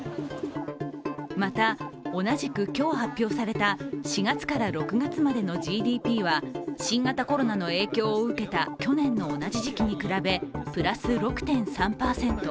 また、同じく今日発表された４月から６月までのＧＤＰは新型コロナの影響を受けた去年の同じ時期に比べプラス６．３％。